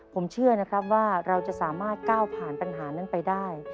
ผมเชื่อนะครับว่าเราจะสามารถก้าวผ่านปัญหานั้นไปได้